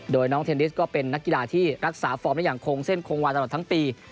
โดยน้องเทนนิสก็เป็นนักกีฬาที่รักษาฟอร์มได้อย่างโครงเส้นคงวาตลอดทั้งปี